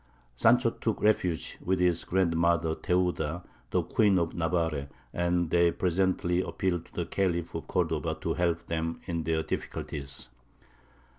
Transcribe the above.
Sancho took refuge with his grandmother, Theuda, the Queen of Navarre, and they presently appealed to the Khalif of Cordova to help them in their difficulties.